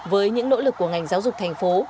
với những nỗ lực của ngành giáo dục thành phố